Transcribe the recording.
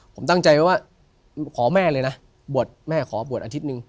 ผมตั้งใจไว้ว่าขอแม่เลยนะบวชแม่ขอบวชอาทิตย์หนึ่ง